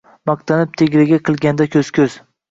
Maqtanib, tegraga qilganda ko’z-ko’z